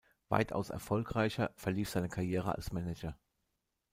Weitaus erfolgreicher verlief seine Karriere als Manager.